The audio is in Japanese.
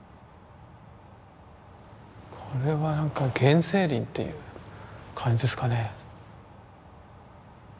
これは何か原生林という感じですかね。